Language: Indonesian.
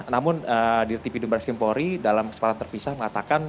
namun dirtipi dumbaris kempori dalam kesempatan terpisah mengatakan